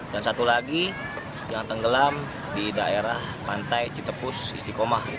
dan satu lagi yang tenggelam di daerah pantai citepus istikomah